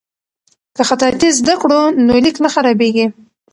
که خطاطي زده کړو نو لیک نه خرابیږي.